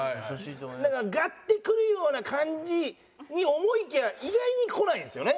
ガッてくるような感じに思いきや意外にこないんですよね。